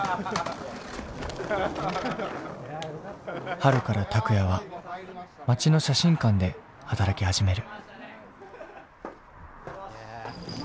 春からタクヤは街の写真館で働き始める。